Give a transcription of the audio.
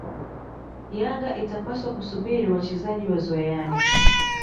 Yanga itapaswa kusubiri wachezaji wazoeane